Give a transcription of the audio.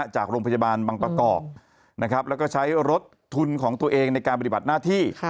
จากโรงพยาบาลบางประกอบแล้วก็ใช้รถทุนของตัวเองในการปฏิบัติหน้าที่